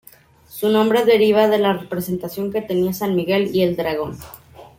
Su nombre deriva de la representación que tenía de San Miguel y el dragón.